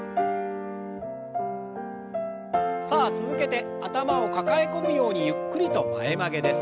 さあ続けて頭を抱え込むようにゆっくりと前曲げです。